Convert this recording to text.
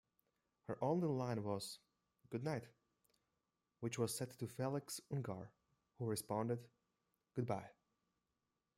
Her only line was "Goodnight", which was said to Felix Ungar, who responded, "Goodbye.